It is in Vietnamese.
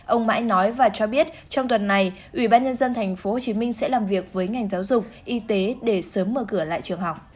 ông mãi nói và cho biết trong tuần này ubnd tp hcm sẽ làm việc với ngành giáo dục y tế để sớm mở cửa lại trường học